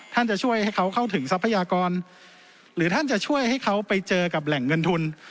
จะช่วยให้เขาเข้าถึงทรัพยากรหรือท่านจะช่วยให้เขาไปเจอกับแหล่งเงินทุน